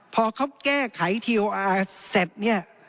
พอเขาแก้ไขทีโออาร์เสร็จเนี่ย